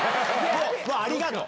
ありがとう！